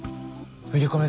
振り込め